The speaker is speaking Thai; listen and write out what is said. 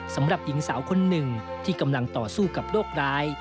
สำหรับหญิงสาวคนหนึ่งที่กำลังต่อสู้กับโรคร้าย